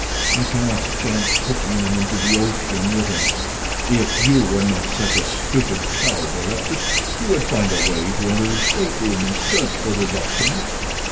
I cannot chance pitching them into the ocean with him. If you were not such a stupid coward, Alexis, you would find a way to enter his stateroom and search for the documents."